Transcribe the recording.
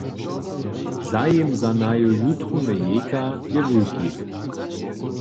Zajim za naju jutrowne jejka je wulki.